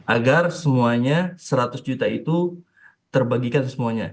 agar semuanya seratus juta itu terbagikan ke semuanya